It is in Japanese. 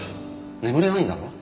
眠れないんだろ？